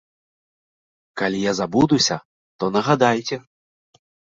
Калі я забудуся, то нагадайце.